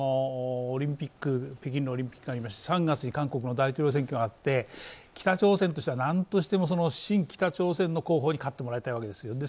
２月に北京オリンピックありまして３月に韓国の大統領選挙があって北朝鮮としてはなんとしても親北朝鮮の候補に勝ってもらいたいんですね。